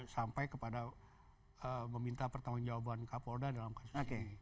sampai kepada meminta pertanggung jawaban kapolda dalam kasus ini